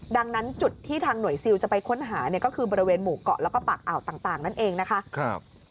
ดังนั้นจุดที่ทางหน่วยซิลจะไปค้นหาเนี่ยก็คือบริเวณหมู่เกาะแล้วก็ปากอ่าวต่างนั่นเองนะคะ